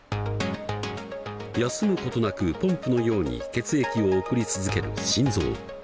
休むことなくポンプのように血液を送り続ける心臓。